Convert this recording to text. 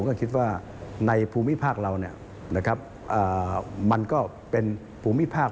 ก็คิดว่าในภูมิภาคเรามันก็เป็นภูมิภาค